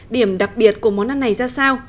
điểm đặc biệt của món ăn này ra sao